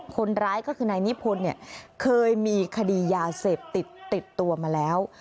คนร้ายก็คือนายนิพนธ์เนี่ยเคยมีคดียาเสพติดติดตัวมาแล้ว